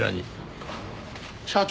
社長。